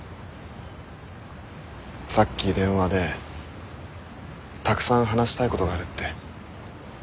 さっき電話でたくさん話したいことがあるって。